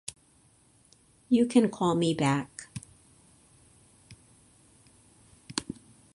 You can call me back.